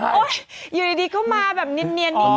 โอ้ยอย่างนี้เดียวเข้ามาแบบเนียน